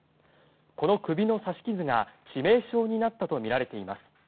この首の刺し傷が致命傷になったとみられています。